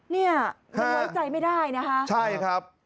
เนี่ยยังไว้ใจไม่ได้นะคะใช่ครับ